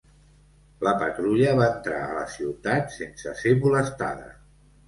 La patrulla va entrar a la ciutat sense ser molestada.